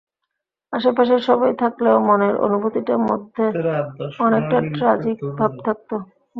আশে পাশেই সবই থাকলেও মনের অনুভূতিটা মধ্যে অনেকটা ট্র্যাজিক ভাব থাকত।